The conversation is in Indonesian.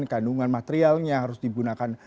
kandungan materialnya harus digunakan